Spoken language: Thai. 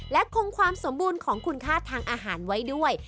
และคงความสมบูรณ์ของคุณค่าทางอาหารไว้ด้วย